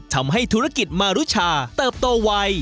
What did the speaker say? ทำให้ธุรกิจมารุชาเติบโตไว